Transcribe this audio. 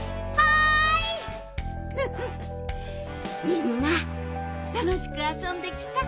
みんなたのしくあそんできた？